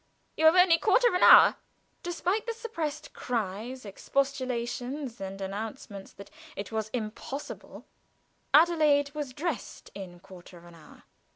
"You have only quarter of an hour." Despite the suppressed cries, expostulations, and announcements that it was impossible, Adelaide was dressed in quarter of an hour.